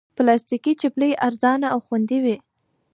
پلاستيکي چپلی ارزانه او خوندې وي.